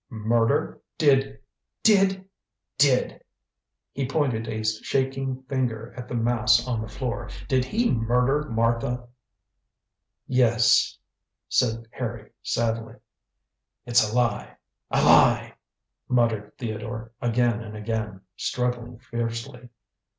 "Murder! Did did did," he pointed a shaking finger at the mass on the floor, "did he murder Martha?" "Yes," said Harry sadly. "It's a lie; a lie!" muttered Theodore again and again, struggling fiercely.